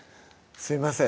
すいません